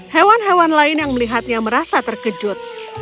hewan hewan lain yang melihatnya merasa terkejut